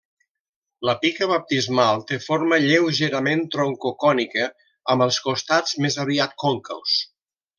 La pica baptismal té forma lleugerament troncocònica amb els costats més aviat còncaus.